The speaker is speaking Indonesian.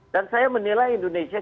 dan saya menilai indonesia